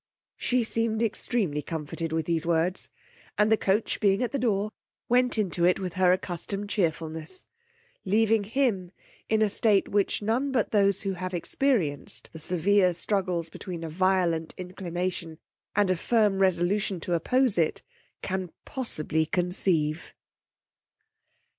She seemed extremely comforted with these words; and the coach being at the door, went into it with her accustomed chearfulness, leaving him in a state which none but those who have experienced the severe struggles between a violent inclination and a firm resolution to oppose it, can possibly conceive.